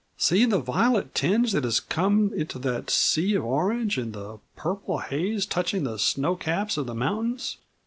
See the violet tinge that has come into that sea of orange, and the purple haze touching the snow caps of the mountains.